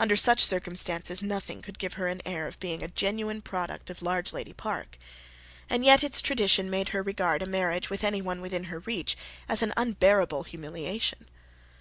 Under such circumstances nothing could give her an air of being a genuine product of Largelady Park. And yet its tradition made her regard a marriage with anyone within her reach as an unbearable humiliation.